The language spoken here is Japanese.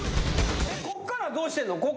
こっからどうしてんの？